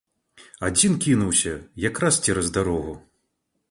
Адзін кінуўся якраз цераз дарогу.